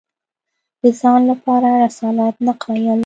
د ځان لپاره رسالت نه قایل وو